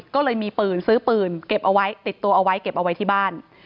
ก็เลยมีปืนซื้อปืนเก็บเอาไว้ติดตัวเอาไว้เก็บเอาไว้ที่บ้าน